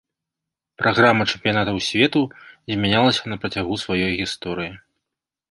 Праграма чэмпіянатаў свету змянялася на працягу сваёй гісторыі.